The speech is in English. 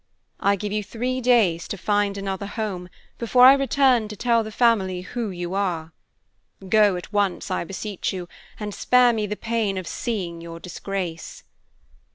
I give you three days to find another home, before I return to tell the family who you are. Go at once, I beseech you, and spare me the pain of seeing your disgrace.